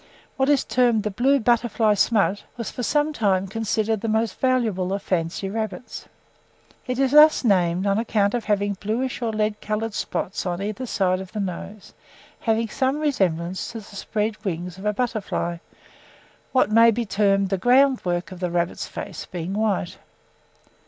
What is termed 'the blue butterfly smut' was, for some time, considered the most valuable of fancy rabbits. It is thus named on account of having bluish or lead coloured spots on either side of the nose, having some resemblance to the spread wings of a butterfly, what may be termed the groundwork of the rabbit's face being white.